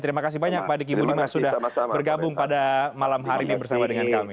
terima kasih banyak pak diki budiman sudah bergabung pada malam hari ini bersama dengan kami